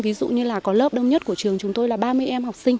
ví dụ như là có lớp đông nhất của trường chúng tôi là ba mươi em học sinh